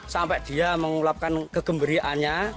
sampai dia mengulapkan kegembiriannya